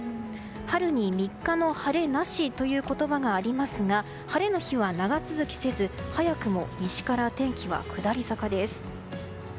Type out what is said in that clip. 春に３日の晴れなしという言葉がありますが晴れの日は長続きせず早くも西から天気は下り坂です。